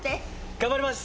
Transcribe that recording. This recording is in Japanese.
頑張ります！